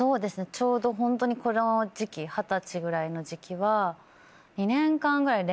ちょうどホントにこの時期二十歳ぐらいの時期は。